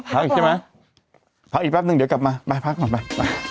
พักอีกใช่ไหมพักอีกแป๊บนึงเดี๋ยวกลับมาไปพักก่อนไป